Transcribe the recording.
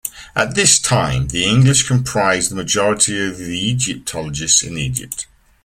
At this time, the English comprised the majority of Egyptologists in Egypt.